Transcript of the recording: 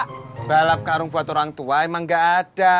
kalau balap karung buat orang tua emang gak ada